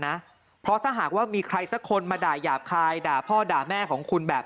และอยากจะฝากไปถึงบริษัทที่มีพนักงานส่งพัสดุต่างครับ